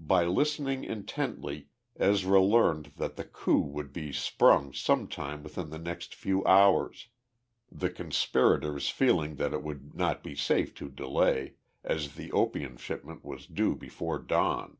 By listening intently, Ezra learned that the coup would be sprung sometime within the next few hours, the conspirators feeling that it would not be safe to delay, as the opium shipment was due before dawn.